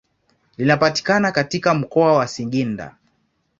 Linapatikana katika mkoa wa Singida.